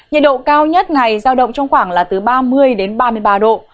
nhiệt độ cao nhất ngày giao động trong khoảng là từ ba mươi đến ba mươi ba độ